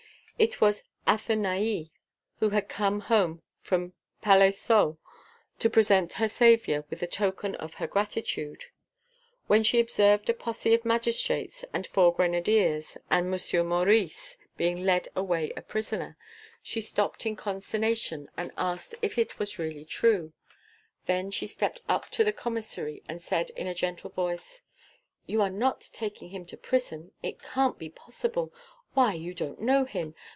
It was Athenaïs, who had come from Palaiseau to present her saviour with a token of her gratitude. When she observed a posse of magistrates and four grenadiers and "Monsieur Maurice" being led away a prisoner, she stopped in consternation and asked if it was really true; then she stepped up to the Commissary and said in a gentle voice: "You are not taking him to prison? it can't be possible.... Why! you don't know him!